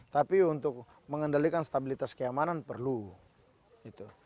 tapi untuk mengendalikan stabilitas keamanan perlu gitu